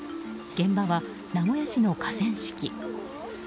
現場は名古屋市の河川敷。